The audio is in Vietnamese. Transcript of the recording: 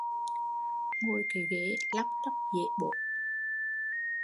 Ngồi cái ghé lóc chóc dễ bổ